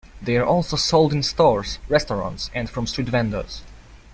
They are also sold in stores, restaurants, and from street vendors.